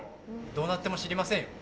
どうなっても知りませんよ？